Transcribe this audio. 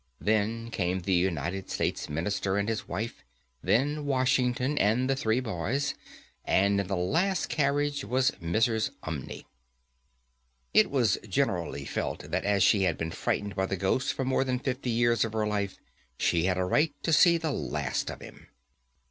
Then came the United States Minister and his wife, then Washington and the three boys, and in the last carriage was Mrs. Umney. It was generally felt that, as she had been frightened by the ghost for more than fifty years of her life, she had a right to see the last of him.